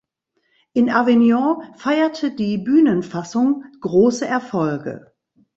In Avignon feierte die Bühnenfassung große Erfolge.